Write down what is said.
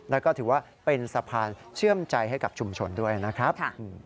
แล้วก็ถือว่าเป็นสะพานเชื่อมใจให้กับชุมชนด้วยนะครับ